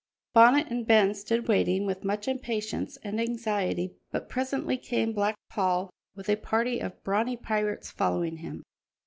Bonnet and Ben stood waiting with much impatience and anxiety, but presently came Black Paul with a party of brawny pirates following him.